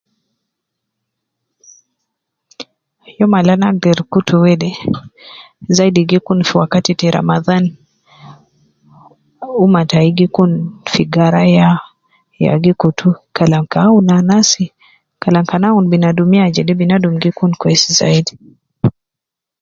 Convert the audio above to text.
Youm al ana agder kutu wede zaidi gikun fu wakati te ramadhan, uma tai gi kun fi garaya, ya gikuutu kalam ke aun anasi, kalam kan aun binadumiya jede binadum gikun kwesi zaidi